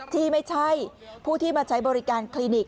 ที่ไม่ใช่ผู้ที่มาใช้บริการคลินิก